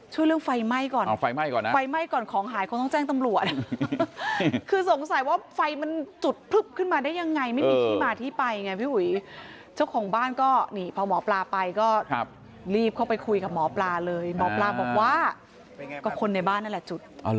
เรื่องไฟไหม้ก่อนเอาไฟไหม้ก่อนนะไฟไหม้ก่อนของหายคงต้องแจ้งตำรวจคือสงสัยว่าไฟมันจุดพลึบขึ้นมาได้ยังไงไม่มีที่มาที่ไปไงพี่อุ๋ยเจ้าของบ้านก็นี่พอหมอปลาไปก็รีบเข้าไปคุยกับหมอปลาเลยหมอปลาบอกว่าก็คนในบ้านนั่นแหละจุด